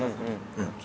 うん。